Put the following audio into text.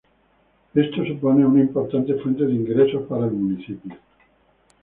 Esto supone una importante fuente de ingresos para el municipio.